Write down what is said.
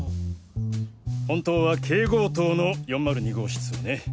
本当はＫ号棟の４０２号室をね。